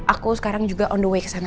aku sekarang juga on the way kesana